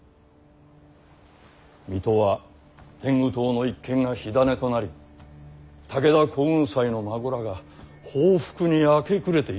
水戸は天狗党の一件が火種となり武田耕雲斎の孫らが報復に明け暮れているという。